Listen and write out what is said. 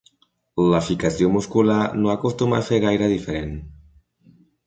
La cicatriu muscular no acostuma a ser gaire diferent.